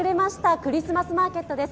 クリスマスマーケットです。